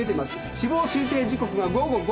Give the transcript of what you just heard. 死亡推定時刻が午後５時。